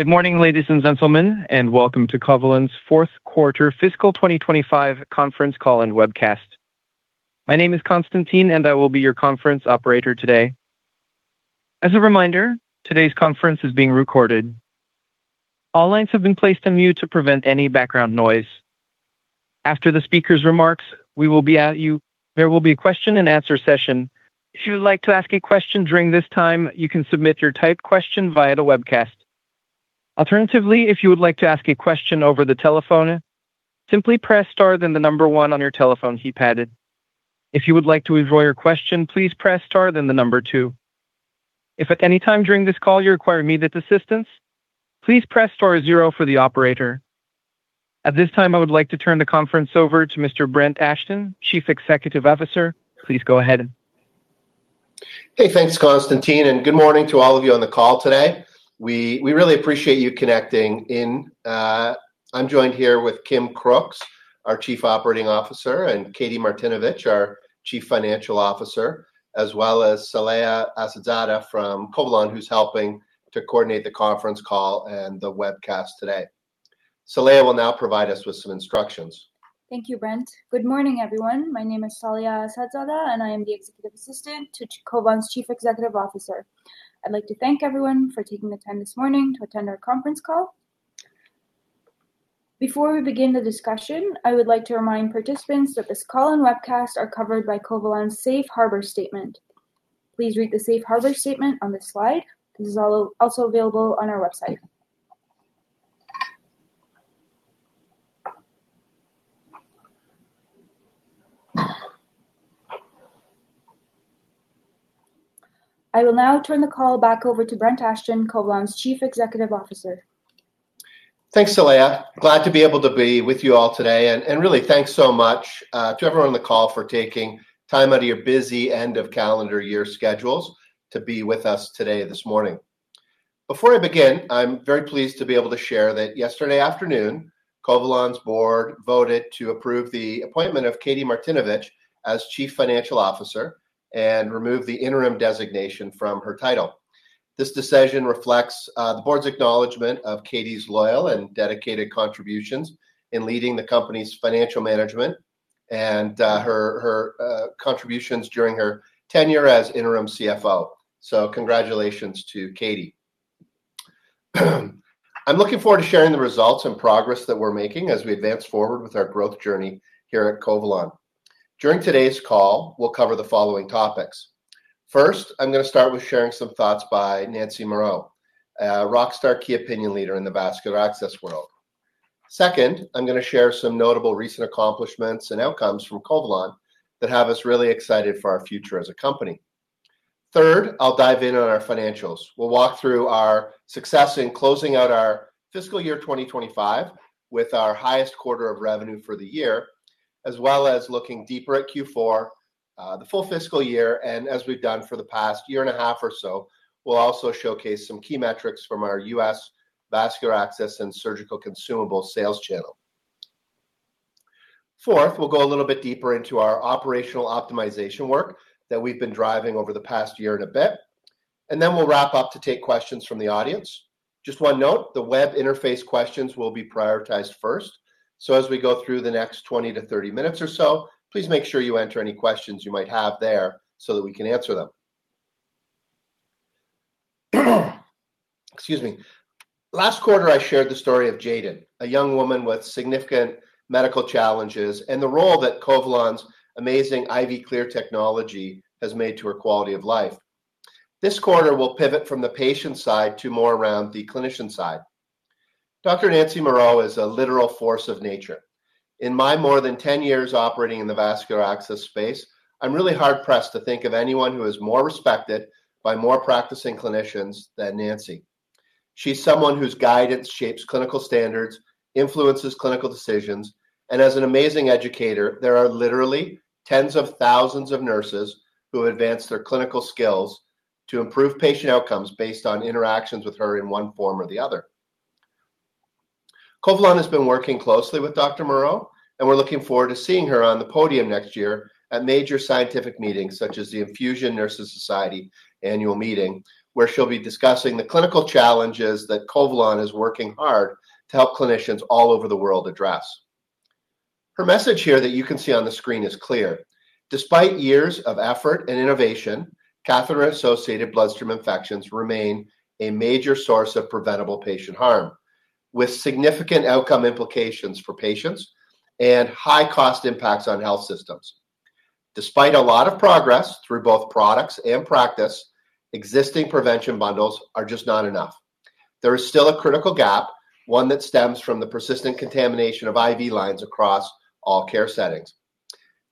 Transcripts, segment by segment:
Good morning, ladies and gentlemen, and welcome to Covalon's Fourth Quarter Fiscal 2025 Conference Call and Webcast. My name is Constantine, and I will be your conference operator today. As a reminder, today's conference is being recorded. All lines have been placed on mute to prevent any background noise. After the speaker's remarks, we will be at you. There will be a question-and-answer session. If you would like to ask a question during this time, you can submit your typed question via the webcast. Alternatively, if you would like to ask a question over the telephone, simply press star then the number one on your telephone keypad. If you would like to withdraw your question, please press star then the number two. If at any time during this call you require immediate assistance, please press star zero for the operator. At this time, I would like to turn the conference over to Mr. Brent Ashton, Chief Executive Officer. Please go ahead. Hey, thanks, Constantine, and good morning to all of you on the call today. We really appreciate you connecting. I'm joined here with Kim Crooks, our Chief Operating Officer, and Katie Martinovich, our Chief Financial Officer, as well as Saleha Assadzada from Covalon, who's helping to coordinate the conference call and the webcast today. Saleha will now provide us with some instructions. Thank you, Brent. Good morning, everyone. My name is Saleha Assadzada, and I am the Executive Assistant to Covalon's Chief Executive Officer. I'd like to thank everyone for taking the time this morning to attend our conference call. Before we begin the discussion, I would like to remind participants that this call and webcast are covered by Covalon's Safe Harbor Statement. Please read the Safe Harbor Statement on this slide. This is also available on our website. I will now turn the call back over to Brent Ashton, Covalon's Chief Executive Officer. Thanks, Saleha. Glad to be able to be with you all today, and really, thanks so much to everyone on the call for taking time out of your busy end-of-calendar year schedules to be with us today, this morning. Before I begin, I'm very pleased to be able to share that yesterday afternoon, Covalon's board voted to approve the appointment of Katie Martinovich as Chief Financial Officer and remove the interim designation from her title. This decision reflects the board's acknowledgment of Katie's loyal and dedicated contributions in leading the company's financial management and her contributions during her tenure as interim CFO, so congratulations to Katie. I'm looking forward to sharing the results and progress that we're making as we advance forward with our growth journey here at Covalon. During today's call, we'll cover the following topics. First, I'm going to start with sharing some thoughts by Nancy Moureau, a rockstar key opinion leader in the vascular access world. Second, I'm going to share some notable recent accomplishments and outcomes from Covalon that have us really excited for our future as a company. Third, I'll dive in on our financials. We'll walk through our success in closing out our fiscal year 2025 with our highest quarter of revenue for the year, as well as looking deeper at Q4, the full fiscal year, and as we've done for the past year and a half or so, we'll also showcase some key metrics from our U.S. vascular access and surgical consumable sales channel. Fourth, we'll go a little bit deeper into our operational optimization work that we've been driving over the past year and a bit, then we'll wrap up to take questions from the audience. Just one note, the web interface questions will be prioritized first. So as we go through the next 20 to 30 minutes or so, please make sure you enter any questions you might have there so that we can answer them. Excuse me. Last quarter, I shared the story of Jaeden, a young woman with significant medical challenges and the role that Covalon's amazing IV Clear technology has made to her quality of life. This quarter, we'll pivot from the patient side to more around the clinician side. Dr. Nancy Moureau is a literal force of nature. In my more than 10 years operating in the vascular access space, I'm really hard-pressed to think of anyone who is more respected by more practicing clinicians than Nancy. She's someone whose guidance shapes clinical standards, influences clinical decisions, and as an amazing educator, there are literally tens of thousands of nurses who advance their clinical skills to improve patient outcomes based on interactions with her in one form or the other. Covalon has been working closely with Dr. Moureau, and we're looking forward to seeing her on the podium next year at major scientific meetings such as the Infusion Nurses Society Annual Meeting, where she'll be discussing the clinical challenges that Covalon is working hard to help clinicians all over the world address. Her message here that you can see on the screen is clear. Despite years of effort and innovation, catheter-associated bloodstream infections remain a major source of preventable patient harm, with significant outcome implications for patients and high-cost impacts on health systems. Despite a lot of progress through both products and practice, existing prevention bundles are just not enough. There is still a critical gap, one that stems from the persistent contamination of IV lines across all care settings.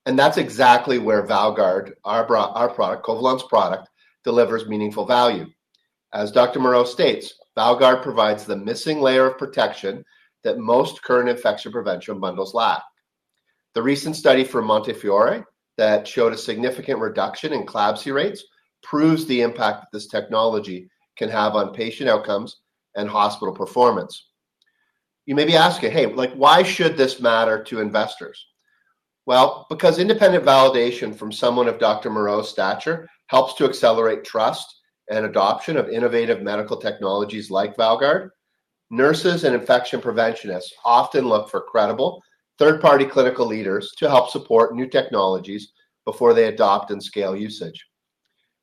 And that's exactly where ValGuard, our product, Covalon's product, delivers meaningful value. As Dr. Moureau states, ValGuard provides the missing layer of protection that most current infection prevention bundles lack. The recent study from Montefiore that showed a significant reduction in CLABSI rates proves the impact this technology can have on patient outcomes and hospital performance. You may be asking, "Hey, why should this matter to investors?" Well, because independent validation from someone of Dr. Moureau's stature helps to accelerate trust and adoption of innovative medical technologies like ValGuard. Nurses and infection preventionists often look for credible third-party clinical leaders to help support new technologies before they adopt and scale usage.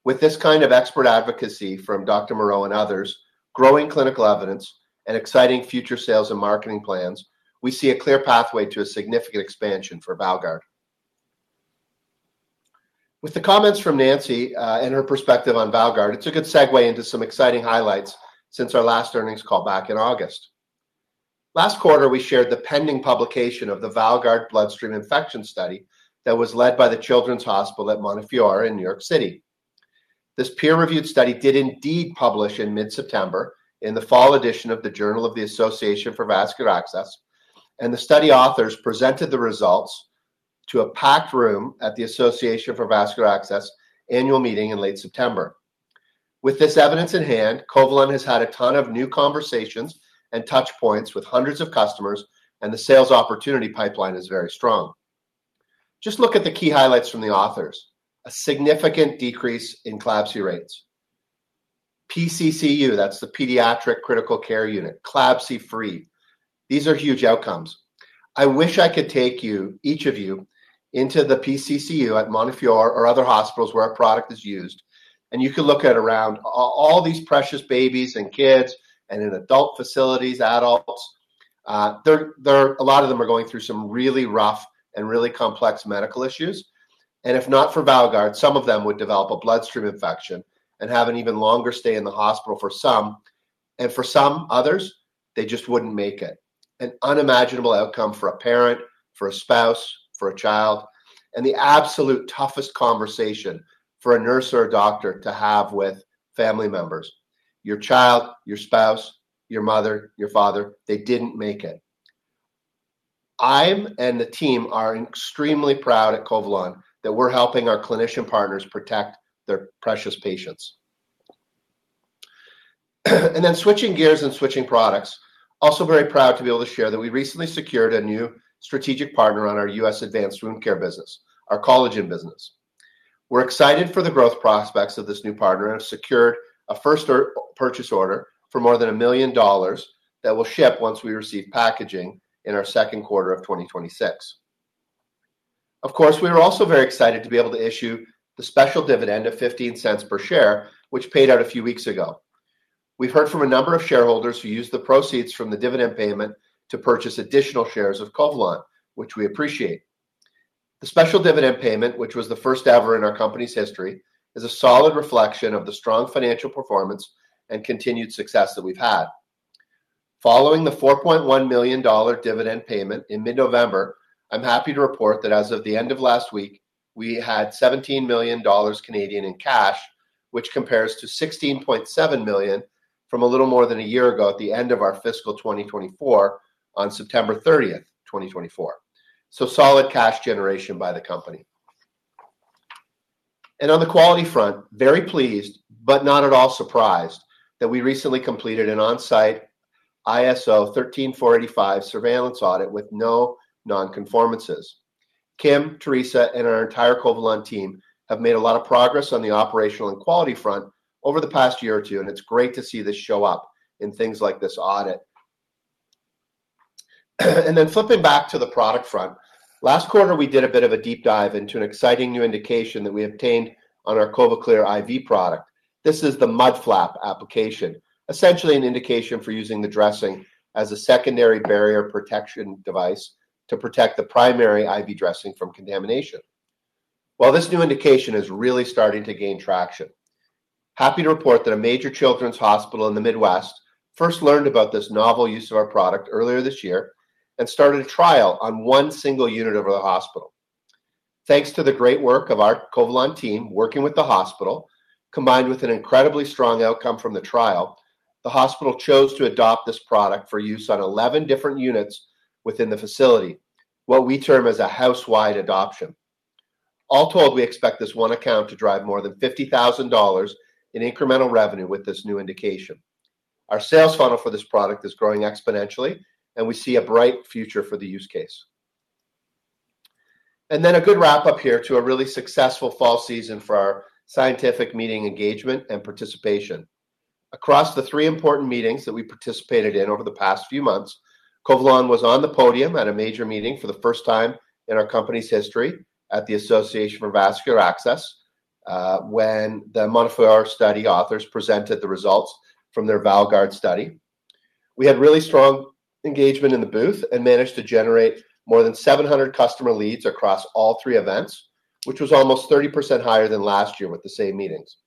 With this kind of expert advocacy from Dr. Moureau and others, growing clinical evidence, and exciting future sales and marketing plans, we see a clear pathway to a significant expansion for ValGuard. With the comments from Nancy and her perspective on ValGuard, it's a good segue into some exciting highlights since our last earnings call back in August. Last quarter, we shared the pending publication of the ValGuard bloodstream infection study that was led by The Children's Hospital at Montefiore in New York City. This peer-reviewed study did indeed publish in mid-September in the fall edition of the Journal of the Association for Vascular Access, and the study authors presented the results to a packed room at the Association for Vascular Access Annual Meeting in late September. With this evidence in hand, Covalon has had a ton of new conversations and touchpoints with hundreds of customers, and the sales opportunity pipeline is very strong. Just look at the key highlights from the authors: a significant decrease in CLABSI rates, PCCU, that's the Pediatric Critical Care Unit, CLABSI-free. These are huge outcomes. I wish I could take you, each of you, into the PCCU at Montefiore or other hospitals where our product is used, and you could look at around all these precious babies and kids and in adult facilities, adults. A lot of them are going through some really rough and really complex medical issues. And if not for ValGuard, some of them would develop a bloodstream infection and have an even longer stay in the hospital for some. And for some others, they just wouldn't make it. An unimaginable outcome for a parent, for a spouse, for a child, and the absolute toughest conversation for a nurse or a doctor to have with family members. Your child, your spouse, your mother, your father, they didn't make it. I and the team are extremely proud at Covalon that we're helping our clinician partners protect their precious patients. And then switching gears and switching products, also very proud to be able to share that we recently secured a new strategic partner on our U.S. advanced wound care business, our collagen business. We're excited for the growth prospects of this new partner and have secured a first purchase order for more than 1 million dollars that will ship once we receive packaging in our second quarter of 2026. Of course, we are also very excited to be able to issue the special dividend of 0.15 per share, which paid out a few weeks ago. We've heard from a number of shareholders who used the proceeds from the dividend payment to purchase additional shares of Covalon, which we appreciate. The special dividend payment, which was the first ever in our company's history, is a solid reflection of the strong financial performance and continued success that we've had. Following the 4.1 million dollar dividend payment in mid-November, I'm happy to report that as of the end of last week, we had 17 million Canadian dollars in cash, which compares to 16.7 million from a little more than a year ago at the end of our fiscal 2024 on September 30th, 2024. Solid cash generation by the company. On the quality front, very pleased, but not at all surprised that we recently completed an on-site ISO 13485 surveillance audit with no non-conformances. Kim, Theresa, and our entire Covalon team have made a lot of progress on the operational and quality front over the past year or two, and it's great to see this show up in things like this audit. Then flipping back to the product front, last quarter, we did a bit of a deep dive into an exciting new indication that we obtained on our CovaClear IV product. This is the mud flap application, essentially an indication for using the dressing as a secondary barrier protection device to protect the primary IV dressing from contamination. This new indication is really starting to gain traction. Happy to report that a major children's hospital in the Midwest first learned about this novel use of our product earlier this year and started a trial on one single unit over the hospital. Thanks to the great work of our Covalon team working with the hospital, combined with an incredibly strong outcome from the trial, the hospital chose to adopt this product for use on 11 different units within the facility, what we term as a house-wide adoption. All told, we expect this one account to drive more than 50,000 dollars in incremental revenue with this new indication. Our sales funnel for this product is growing exponentially, and we see a bright future for the use case and then a good wrap-up here to a really successful fall season for our scientific meeting engagement and participation. Across the three important meetings that we participated in over the past few months, Covalon was on the podium at a major meeting for the first time in our company's history at the Association for Vascular Access when the Montefiore study authors presented the results from their ValGuard study. We had really strong engagement in the booth and managed to generate more than 700 customer leads across all three events, which was almost 30% higher than last year with the same meetings.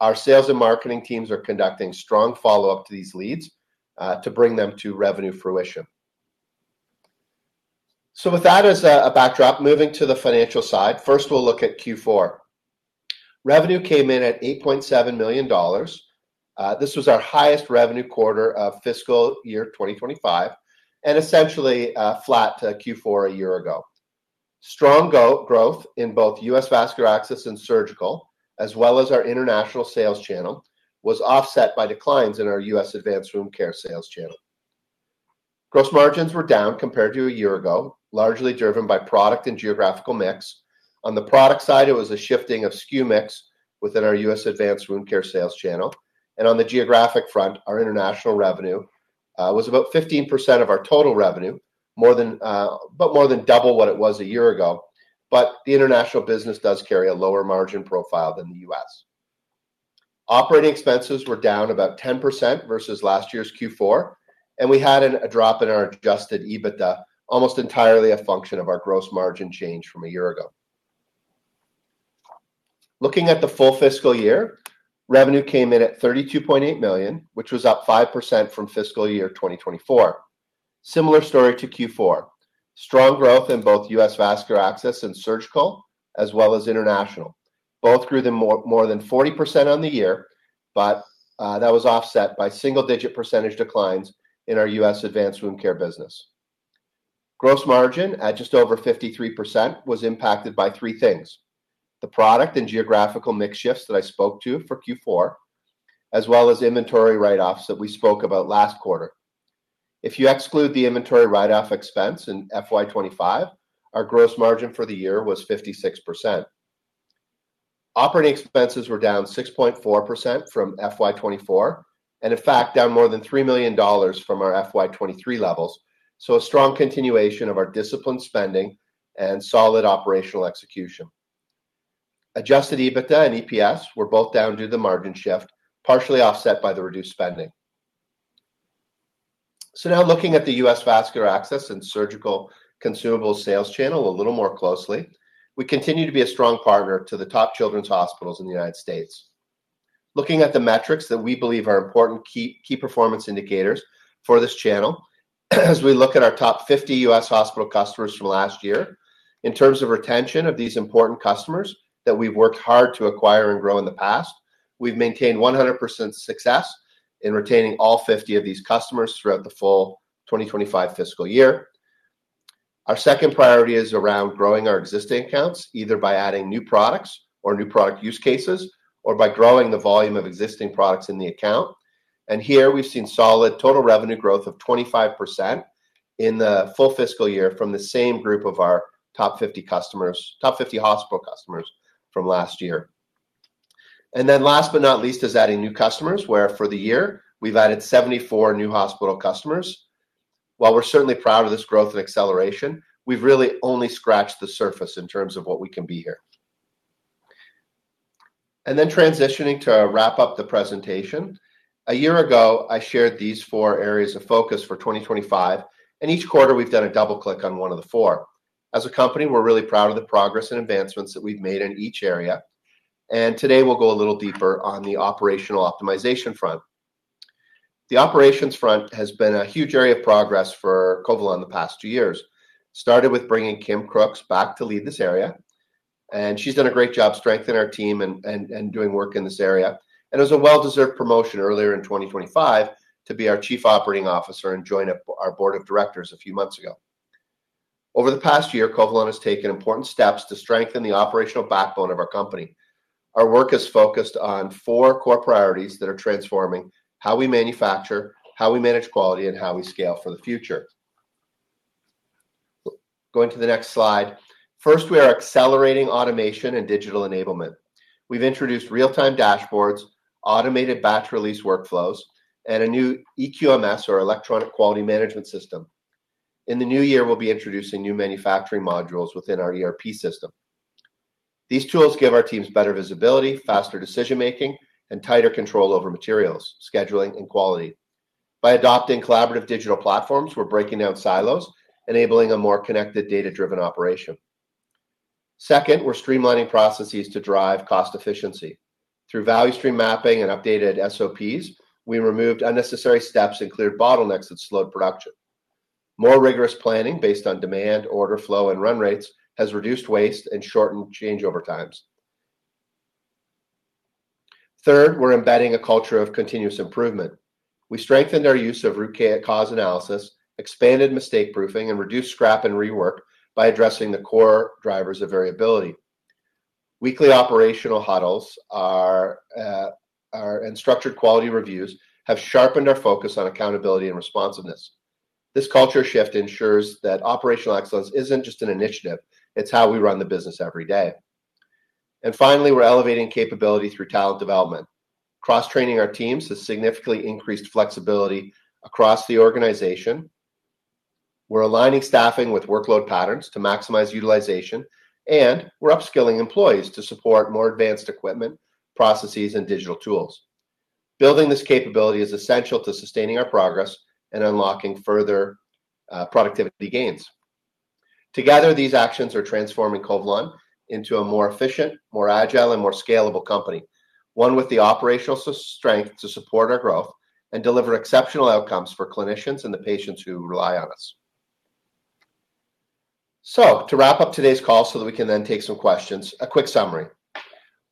Our sales and marketing teams are conducting strong follow-up to these leads to bring them to revenue fruition. So with that as a backdrop, moving to the financial side, first we'll look at Q4. Revenue came in at 8.7 million dollars. This was our highest revenue quarter of fiscal year 2025 and essentially flat to Q4 a year ago. Strong growth in both U.S. Vascular access and surgical, as well as our international sales channel, was offset by declines in our U.S. advanced wound care sales channel. Gross margins were down compared to a year ago, largely driven by product and geographical mix. On the product side, it was a shifting of SKU mix within our U.S. advanced wound care sales channel. And on the geographic front, our international revenue was about 15% of our total revenue, but more than double what it was a year ago. But the international business does carry a lower margin profile than the U.S. Operating expenses were down about 10% versus last year's Q4, and we had a drop in our Adjusted EBITDA, almost entirely a function of our gross margin change from a year ago. Looking at the full fiscal year, revenue came in at 32.8 million, which was up 5% from fiscal year 2024. Similar story to Q4. Strong growth in both U.S. vascular access and surgical, as well as international. Both grew more than 40% on the year, but that was offset by single-digit percentage declines in our U.S. advanced wound care business. Gross margin at just over 53% was impacted by three things: the product and geographical mix shifts that I spoke to for Q4, as well as inventory write-offs that we spoke about last quarter. If you exclude the inventory write-off expense in FY 2025, our gross margin for the year was 56%. Operating expenses were down 6.4% from FY 2024 and, in fact, down more than 3 million dollars from our FY 2023 levels, so a strong continuation of our disciplined spending and solid operational execution. Adjusted EBITDA and EPS were both down due to the margin shift, partially offset by the reduced spending, so now looking at the U.S. Vascular access and surgical consumable sales channel a little more closely, we continue to be a strong partner to the top children's hospitals in the United States. Looking at the metrics that we believe are important key performance indicators for this channel, as we look at our top 50 U.S. hospital customers from last year, in terms of retention of these important customers that we've worked hard to acquire and grow in the past, we've maintained 100% success in retaining all 50 of these customers throughout the full 2025 fiscal year. Our second priority is around growing our existing accounts, either by adding new products or new product use cases or by growing the volume of existing products in the account. And here we've seen solid total revenue growth of 25% in the full fiscal year from the same group of our top 50 hospital customers from last year. And then last but not least is adding new customers, where for the year we've added 74 new hospital customers. While we're certainly proud of this growth and acceleration, we've really only scratched the surface in terms of what we can be here. And then transitioning to wrap up the presentation, a year ago I shared these four areas of focus for 2025, and each quarter we've done a double-click on one of the four. As a company, we're really proud of the progress and advancements that we've made in each area. And today we'll go a little deeper on the operational optimization front. The operations front has been a huge area of progress for Covalon in the past two years. Started with bringing Kim Crooks back to lead this area, and she's done a great job strengthening our team and doing work in this area. And it was a well-deserved promotion earlier in 2025 to be our Chief Operating Officer and join our board of directors a few months ago. Over the past year, Covalon has taken important steps to strengthen the operational backbone of our company. Our work has focused on four core priorities that are transforming how we manufacture, how we manage quality, and how we scale for the future. Going to the next slide. First, we are accelerating automation and digital enablement. We've introduced real-time dashboards, automated batch release workflows, and a new eQMS, or electronic quality management system. In the new year, we'll be introducing new manufacturing modules within our ERP system. These tools give our teams better visibility, faster decision-making, and tighter control over materials, scheduling, and quality. By adopting collaborative digital platforms, we're breaking down silos, enabling a more connected, data-driven operation. Second, we're streamlining processes to drive cost efficiency. Through value stream mapping and updated SOPs, we removed unnecessary steps and cleared bottlenecks that slowed production. More rigorous planning based on demand, order flow, and run rates has reduced waste and shortened changeover times. Third, we're embedding a culture of continuous improvement. We strengthened our use of root cause analysis, expanded mistake proofing, and reduced scrap and rework by addressing the core drivers of variability. Weekly operational huddles and structured quality reviews have sharpened our focus on accountability and responsiveness. This culture shift ensures that operational excellence isn't just an initiative. It's how we run the business every day. And finally, we're elevating capability through talent development. Cross-training our teams has significantly increased flexibility across the organization. We're aligning staffing with workload patterns to maximize utilization, and we're upskilling employees to support more advanced equipment, processes, and digital tools. Building this capability is essential to sustaining our progress and unlocking further productivity gains. Together, these actions are transforming Covalon into a more efficient, more agile, and more scalable company, one with the operational strength to support our growth and deliver exceptional outcomes for clinicians and the patients who rely on us. So, to wrap up today's call so that we can then take some questions, a quick summary.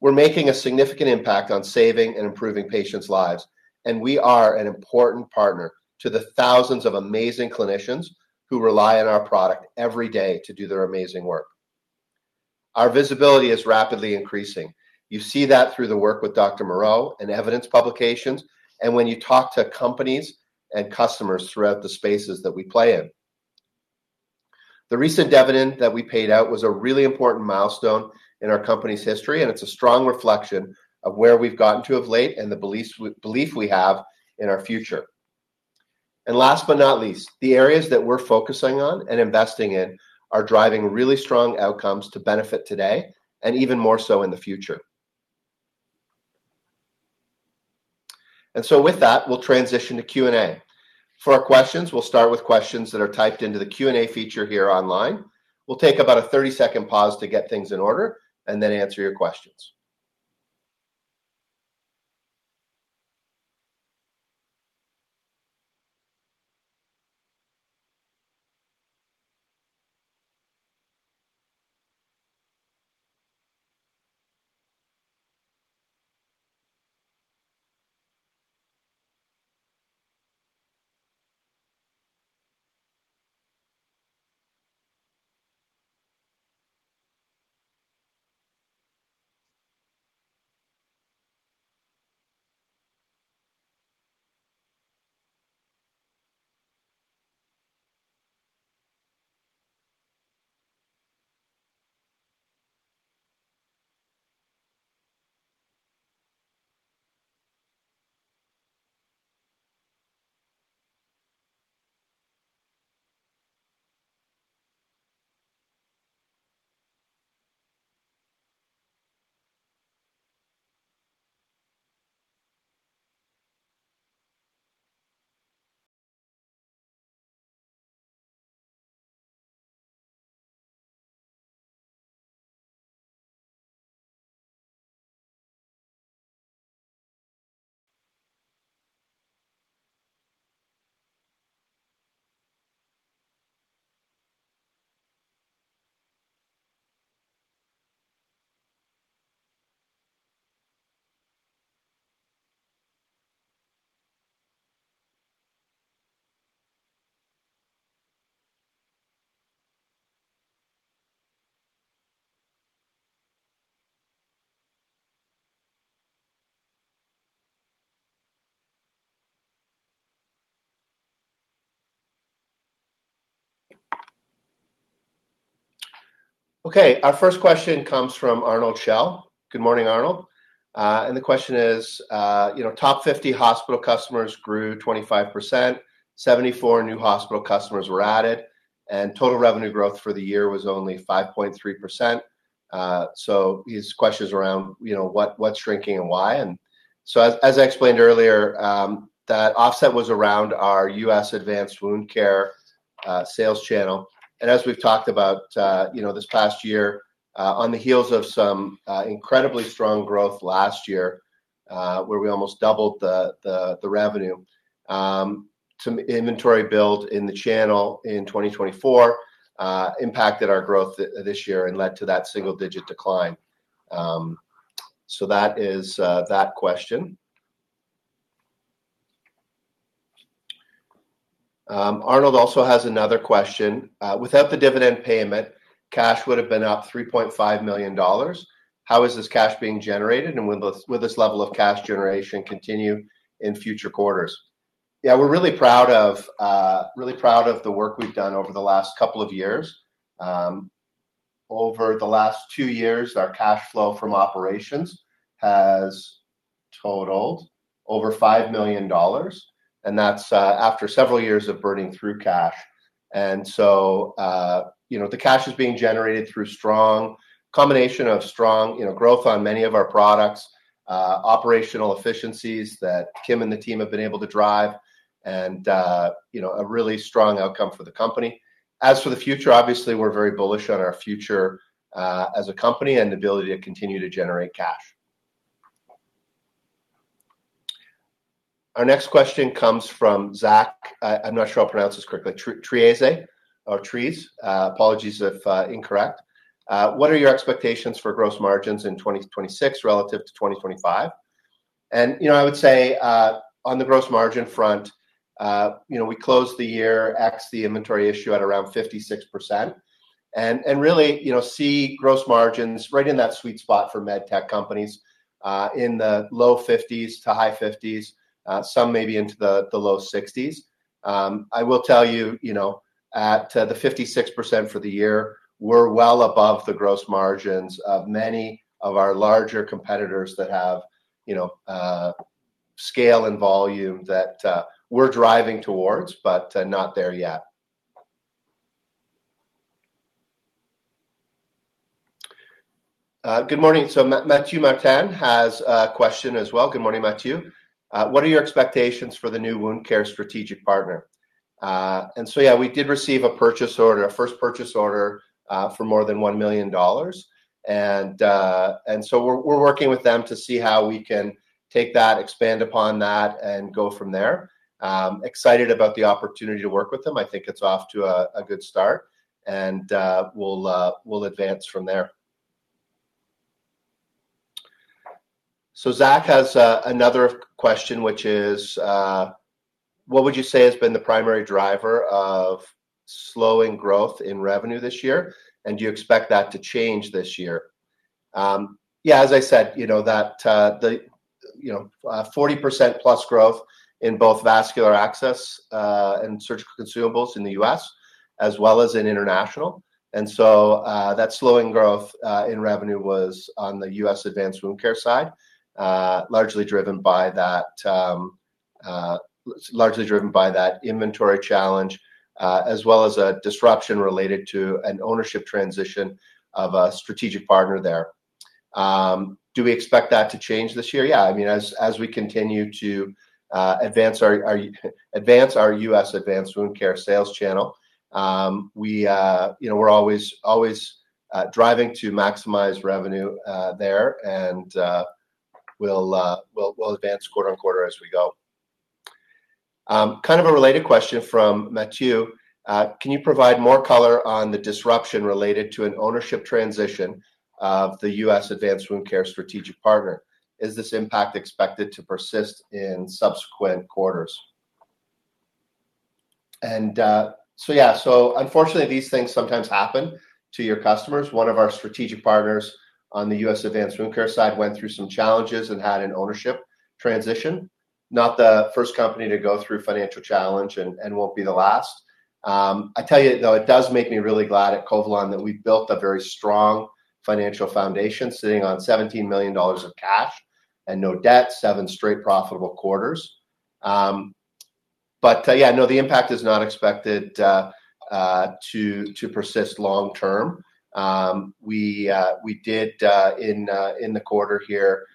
We're making a significant impact on saving and improving patients' lives, and we are an important partner to the thousands of amazing clinicians who rely on our product every day to do their amazing work. Our visibility is rapidly increasing. You see that through the work with Dr. Moureau and evidence publications, and when you talk to companies and customers throughout the spaces that we play in. The recent dividend that we paid out was a really important milestone in our company's history, and it's a strong reflection of where we've gotten to of late and the belief we have in our future, and last but not least, the areas that we're focusing on and investing in are driving really strong outcomes to benefit today and even more so in the future, and so with that, we'll transition to Q&A. For our questions, we'll start with questions that are typed into the Q&A feature here online. We'll take about a 30-second pause to get things in order and then answer your questions. Okay, our first question comes from Arnold Schell. Good morning, Arnold. The question is, "Top 50 hospital customers grew 25%, 74 new hospital customers were added, and total revenue growth for the year was only 5.3%." His question is around what's shrinking and why. As I explained earlier, that offset was around our U.S. advanced wound care sales channel. As we've talked about this past year, on the heels of some incredibly strong growth last year, where we almost doubled the revenue, inventory build in the channel in 2024 impacted our growth this year and led to that single-digit decline. That is that question. Arnold also has another question. "Without the dividend payment, cash would have been up 3.5 million dollars. How is this cash being generated, and will this level of cash generation continue in future quarters?" Yeah, we're really proud of the work we've done over the last couple of years. Over the last two years, our cash flow from operations has totaled over 5 million dollars, and that's after several years of burning through cash, and so the cash is being generated through a combination of strong growth on many of our products, operational efficiencies that Kim and the team have been able to drive, and a really strong outcome for the company. As for the future, obviously, we're very bullish on our future as a company and the ability to continue to generate cash. Our next question comes from Zach. I'm not sure I'll pronounce this correctly. Treise or Treise. Apologies if incorrect. "What are your expectations for gross margins in 2026 relative to 2025?" and I would say, on the gross margin front, we closed the year ex the inventory issue at around 56%. Really, see gross margins right in that sweet spot for med tech companies in the low 50s% to high 50s%, some maybe into the low 60s%. I will tell you, at the 56% for the year, we're well above the gross margins of many of our larger competitors that have scale and volume that we're driving towards, but not there yet. Good morning. Mathieu Martin has a question as well. Good morning, Mathieu. "What are your expectations for the new wound care strategic partner?" Yeah, we did receive a purchase order, a first purchase order for more than 1 million dollars. We're working with them to see how we can take that, expand upon that, and go from there. Excited about the opportunity to work with them. I think it's off to a good start, and we'll advance from there. So Zach has another question, which is, "What would you say has been the primary driver of slowing growth in revenue this year, and do you expect that to change this year?" Yeah, as I said, that 40% plus growth in both vascular access and surgical consumables in the U.S., as well as in international. And so that slowing growth in revenue was on the U.S. advanced wound care side, largely driven by that inventory challenge, as well as a disruption related to an ownership transition of a strategic partner there. Do we expect that to change this year? Yeah. I mean, as we continue to advance our U.S. advanced wound care sales channel, we're always driving to maximize revenue there, and we'll advance quarter on quarter as we go. Kind of a related question from Matthieu. Can you provide more color on the disruption related to an ownership transition of the U.S. advanced wound care strategic partner? Is this impact expected to persist in subsequent quarters?" And so, yeah. So unfortunately, these things sometimes happen to your customers. One of our strategic partners on the U.S. advanced wound care side went through some challenges and had an ownership transition. Not the first company to go through financial challenge and won't be the last. I tell you, though, it does make me really glad at Covalon that we built a very strong financial foundation, sitting on 17 million dollars of cash and no debt, seven straight profitable quarters. But yeah, no, the impact is not expected to persist long term. We did, in the quarter here,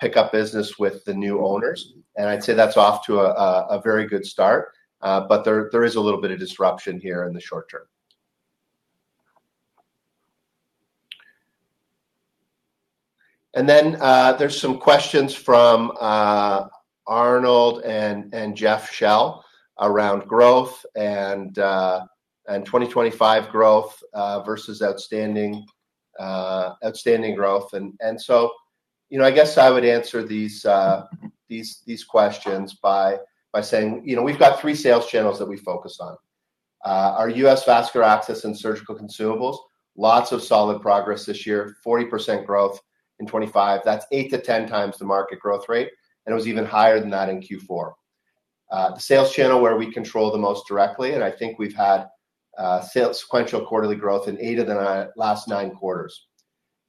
pick up business with the new owners, and I'd say that's off to a very good start, but there is a little bit of disruption here in the short term. Then there's some questions from Arnold Schell and Jeff Schell around growth and 2025 growth versus outstanding growth. So I guess I would answer these questions by saying we've got three sales channels that we focus on. Our U.S. vascular access and surgical consumables, lots of solid progress this year, 40% growth in 2025. That's 8x-10x the market growth rate, and it was even higher than that in Q4. The sales channel where we control the most directly, and I think we've had sequential quarterly growth in eight of the last nine quarters.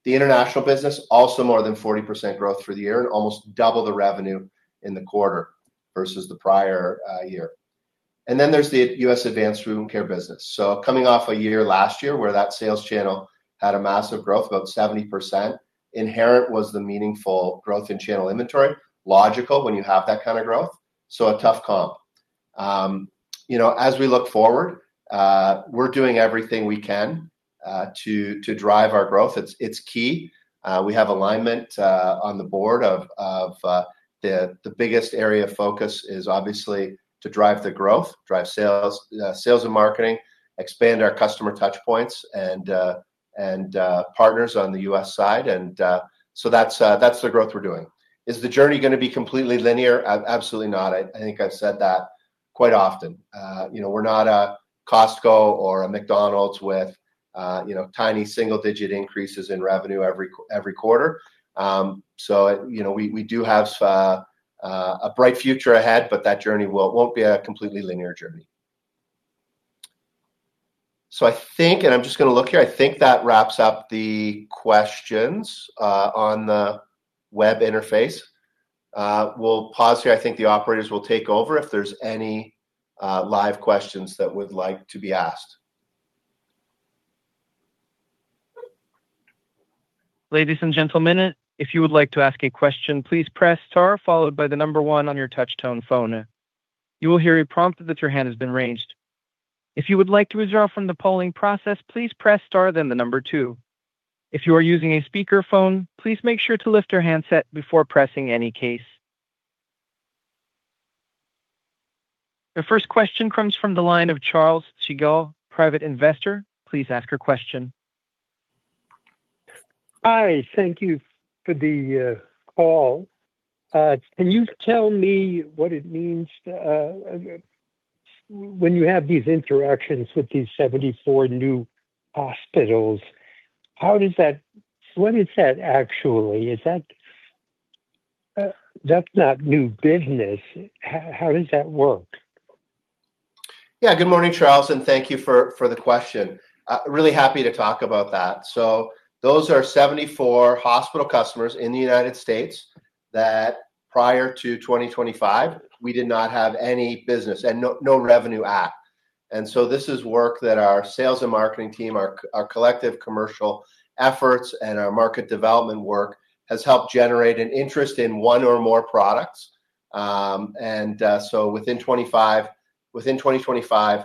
The international business also more than 40% growth for the year and almost double the revenue in the quarter versus the prior year. And then there's the U.S. advanced wound care business. So coming off a year last year where that sales channel had a massive growth, about 70%, inherent was the meaningful growth in channel inventory. Logical when you have that kind of growth. So a tough comp. As we look forward, we're doing everything we can to drive our growth. It's key. We have alignment on the board. The biggest area of focus is obviously to drive the growth, drive sales and marketing, expand our customer touchpoints and partners on the U.S. side. And so that's the growth we're doing. Is the journey going to be completely linear? Absolutely not. I think I've said that quite often. We're not a Costco or a McDonald's with tiny single-digit increases in revenue every quarter. So we do have a bright future ahead, but that journey won't be a completely linear journey. So I think, and I'm just going to look here, I think that wraps up the questions on the web interface. We'll pause here. I think the operators will take over if there's any live questions that would like to be asked. Ladies and gentlemen, if you would like to ask a question, please press star followed by the number one on your touch-tone phone. You will hear a prompt that your hand has been raised. If you would like to withdraw from the polling process, please press star then the number two. If you are using a speakerphone, please make sure to lift your handset before pressing any keys. The first question comes from the line of Charles Siegel, private investor. Please ask your question. Hi. Thank you for the call. Can you tell me what it means when you have these interactions with these 74 new hospitals? How does that—what is that actually? That's not new business. How does that work? Yeah. Good morning, Charles, and thank you for the question. Really happy to talk about that. So those are 74 hospital customers in the United States that prior to 2025, we did not have any business and no revenue at. And so this is work that our sales and marketing team, our collective commercial efforts, and our market development work has helped generate an interest in one or more products. And so within 2025,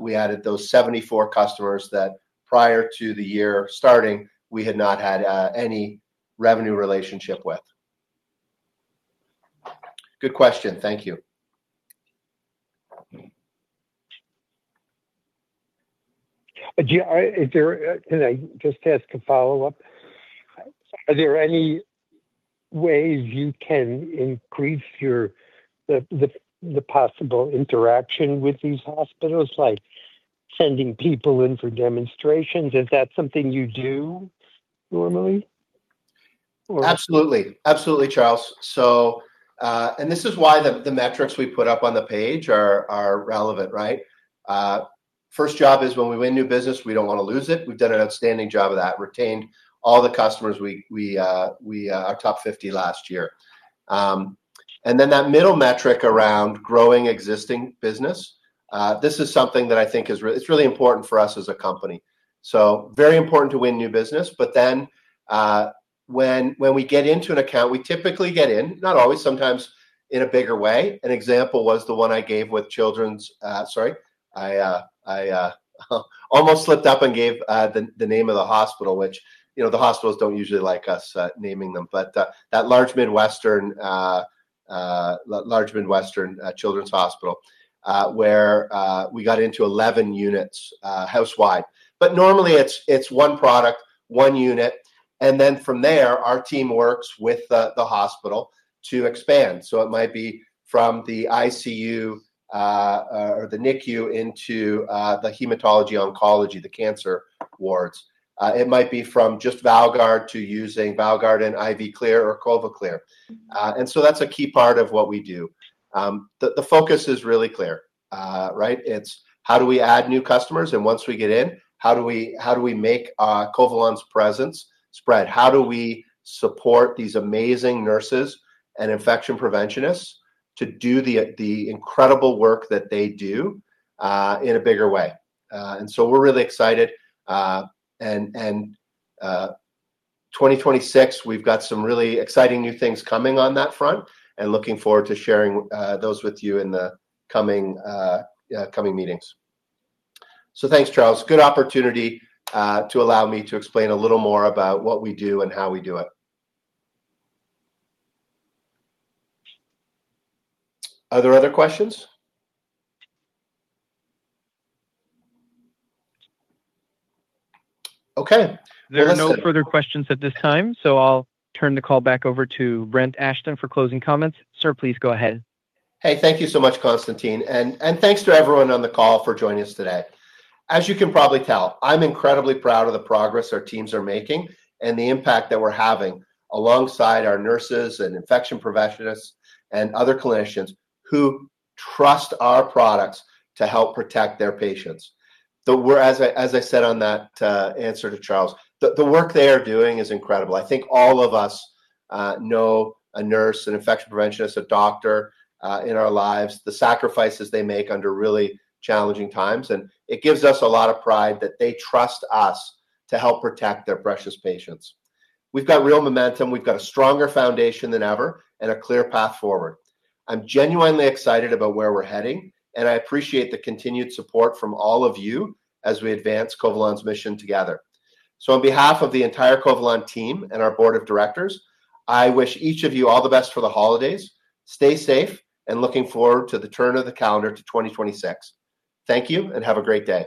we added those 74 customers that prior to the year starting, we had not had any revenue relationship with. Good question. Thank you. Is there? Can I just ask a follow-up? Are there any ways you can increase the possible interaction with these hospitals, like sending people in for demonstrations? Is that something you do normally? Absolutely. Absolutely, Charles. And this is why the metrics we put up on the page are relevant, right? First job is when we win new business, we don't want to lose it. We've done an outstanding job of that, retained all the customers. We are top 50 last year. And then that middle metric around growing existing business, this is something that I think is really important for us as a company. So very important to win new business. But then when we get into an account, we typically get in, not always, sometimes in a bigger way. An example was the one I gave with Children's. Sorry, I almost slipped up and gave the name of the hospital, which the hospitals don't usually like us naming them. But that large Midwestern Children's Hospital where we got into 11 units house-wide. But normally, it's one product, one unit. And then from there, our team works with the hospital to expand. So it might be from the ICU or the NICU into the hematology-oncology, the cancer wards. It might be from just ValGuard to using ValGuard and IV Clear or CovaClear. And so that's a key part of what we do. The focus is really clear, right? It's how do we add new customers? And once we get in, how do we make Covalon's presence spread? How do we support these amazing nurses and infection preventionists to do the incredible work that they do in a bigger way? And so we're really excited. And 2026, we've got some really exciting new things coming on that front and looking forward to sharing those with you in the coming meetings. So thanks, Charles. Good opportunity to allow me to explain a little more about what we do and how we do it. Are there other questions? Okay. There are no further questions at this time, so I'll turn the call back over to Brent Ashton for closing comments. Sir, please go ahead. Hey, thank you so much, Constantine, and thanks to everyone on the call for joining us today. As you can probably tell, I'm incredibly proud of the progress our teams are making and the impact that we're having alongside our nurses and infection preventionists and other clinicians who trust our products to help protect their patients. As I said on that answer to Charles, the work they are doing is incredible. I think all of us know a nurse, an infection preventionist, a doctor in our lives, the sacrifices they make under really challenging times, and it gives us a lot of pride that they trust us to help protect their precious patients. We've got real momentum. We've got a stronger foundation than ever and a clear path forward. I'm genuinely excited about where we're heading, and I appreciate the continued support from all of you as we advance Covalon's mission together. So on behalf of the entire Covalon team and our board of directors, I wish each of you all the best for the holidays. Stay safe, and looking forward to the turn of the calendar to 2026. Thank you, and have a great day.